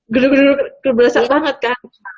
geruk geruk berasa banget kan